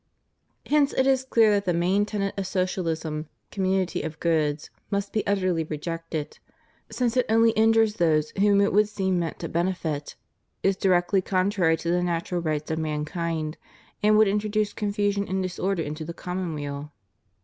Hence it is clear that the main tenet of Socialism, com munity of goods, must be utterly rejected, since it onty in jures those whom it would seem meant to benefit, is directly contrary to the natural rights of mankind, and would introduce confusion and disorder into the commonweal.